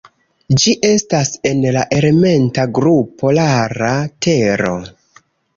Ĝi estas en la elementa grupo "rara tero".